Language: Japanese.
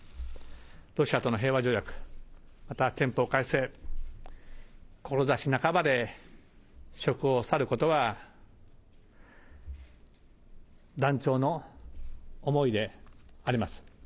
ロシアとの平和条約、また憲法改正、志半ばで職を去ることは断腸の思いであります。